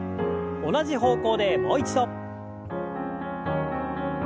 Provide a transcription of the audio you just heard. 同じ方向でもう一度。